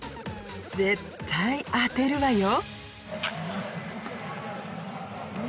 絶対当てるわよ。